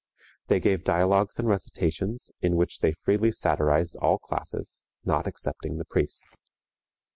They gave dialogues and recitations, in which they freely satirized all classes, not excepting the priests.